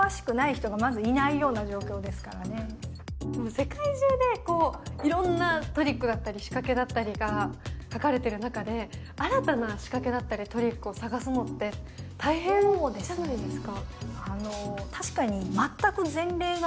世界中でいろんなトリックだったり、仕掛けだったりが書かれている中で、新たな仕掛けだったりトリックを探すのって大変じゃないですか。